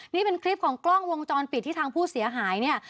นี่เป็นคลิปของกล้องวงจรปิดที่ทางผู้เสียหายเนี่ย